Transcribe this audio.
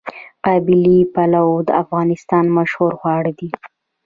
قابلي پلو د افغانستان مشهور خواړه دي.